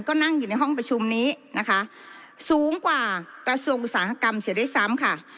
ก็นั่งอยู่ในห้องประชุมนี้นะคะสูงกว่ากระทรวงอุตสาหกรรมเสียด้วยซ้ำค่ะ